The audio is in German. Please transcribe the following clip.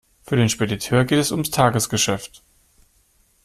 Für den Spediteur geht es ums Tagesgeschäft.